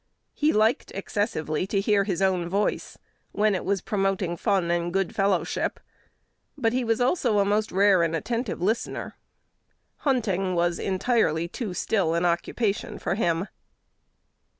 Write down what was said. He liked excessively to hear his own voice, when it was promoting fun and good fellowship; but he was also a most rare and attentive listener. Hunting was entirely too "still" an occupation for him.